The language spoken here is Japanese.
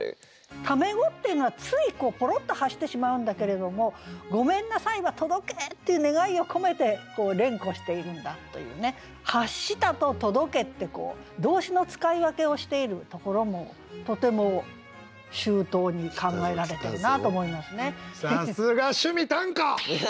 タメ語っていうのはついポロッと発してしまうんだけれども「ごめんなさい」は届けっていう願いを込めて連呼しているんだというね「発した」と「届け」って動詞の使い分けをしているところもとても周到に考えられてるなと思いますね。